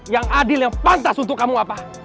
yang adil yang pantas untuk kamu apa